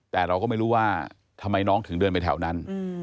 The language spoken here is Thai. แต่เราก็ไม่รู้ว่าทำไมน้องถึงเดินไปแถวนั้น